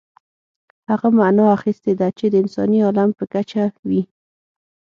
هغه معنا اخیستې ده چې د انساني عالم په کچه وي.